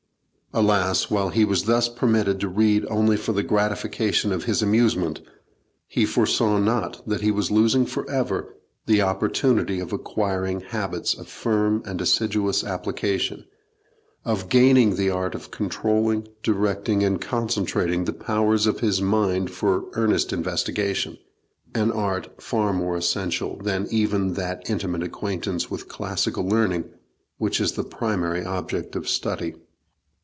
Alas! while he was thus permitted to read only for the gratification of his amusement, he foresaw not that he was losing for ever the opportunity of acquiring habits of firm and assiduous application, of gaining the art of controlling, directing, and concentrating the powers of his mind for earnest investigation an art far more essential than even that intimate acquaintance with classical learning which is the primary object of study.